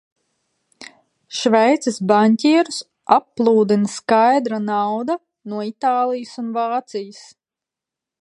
Šveices baņķierus applūdina skaidra nauda no Itālijas un Vācijas.